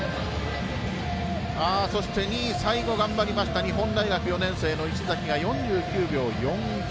そして、２位、最後頑張りました日本大学４年生の石崎が４９秒４１。